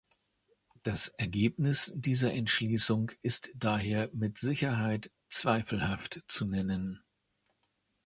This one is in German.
Das Ergebnis dieser Entschließung ist daher mit Sicherheit zweifelhaft zu nennen.